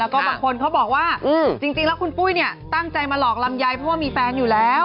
แล้วก็บางคนเขาบอกว่าจริงแล้วคุณปุ้ยเนี่ยตั้งใจมาหลอกลำไยเพราะว่ามีแฟนอยู่แล้ว